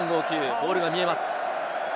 ボールが見えます。